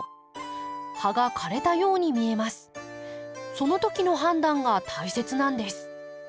その時の判断が大切なんです。